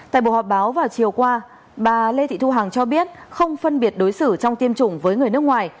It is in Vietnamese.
tại bộ họp báo vào chiều qua bà lê thị thu hằng cho biết không phân biệt đối xử trong tiêm chủng với người nước ngoài